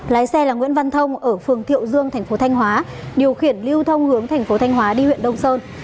lái xe là nguyễn văn thông ở phường thiệu dương thành phố thanh hóa điều khiển lưu thông hướng thành phố thanh hóa đi huyện đông sơn